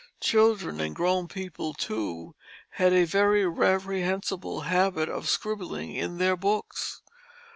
Children (and grown people too) had a very reprehensible habit of scribbling in their books.